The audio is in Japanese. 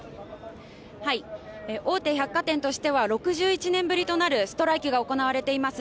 大手百貨店としては６１年ぶりとなるストライキが行われています